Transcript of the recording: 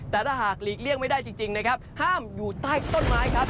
แต่ถ้าหากหลีกเลี่ยงไม่ได้จริงนะครับห้ามอยู่ใต้ต้นไม้ครับ